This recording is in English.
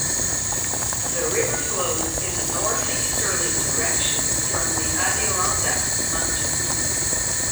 The river flows in a northeasterly direction from the Adirondack Mountains.